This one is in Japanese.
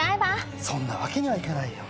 そんなわけにはいかないよ。